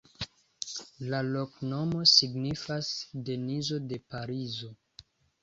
La loknomo signifas: Denizo de Parizo.